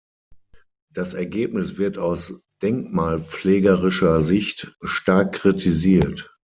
Das Ergebnis wird aus denkmalpflegerischer Sicht stark kritisiert.